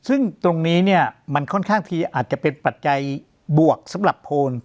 ซึ่งตรงนี้เนี่ยมันค่อนข้างพีอาจจะเป็นปัจจัยบวกสำหรับโพน